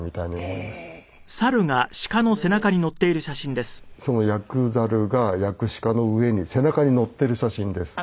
これもそのヤクザルがヤクシカの上に背中に乗っている写真です。